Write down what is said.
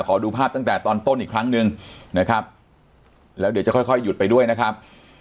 ขอดูภาพตั้งแต่ตอนต้นอีกครั้งหนึ่งนะครับแล้วเดี๋ยวจะค่อยค่อยหยุดไปด้วยนะครับ